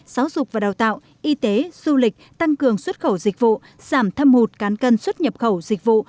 giáo dục và đào tạo y tế du lịch tăng cường xuất khẩu dịch vụ giảm thâm hụt cán cân xuất nhập khẩu dịch vụ